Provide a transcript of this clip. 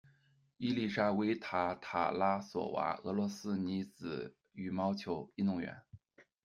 伊丽莎韦塔·塔拉索娃，俄罗斯女子羽毛球运动员。